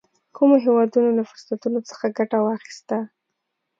کومو هېوادونو له فرصتونو څخه ګټه واخیسته.